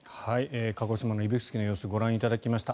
鹿児島の指宿の様子ご覧いただきました。